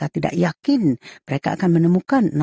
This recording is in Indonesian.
tidak yakin mereka akan menemukan